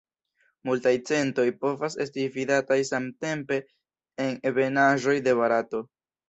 Multaj centoj povas esti vidataj samtempe en ebenaĵoj de Barato.